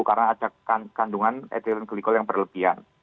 karena ada kandungan ethylene glycol yang berlebihan